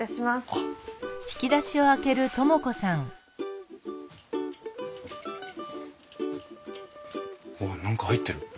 あっ何か入ってる！